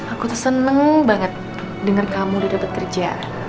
aku tuh seneng banget denger kamu udah dapat kerja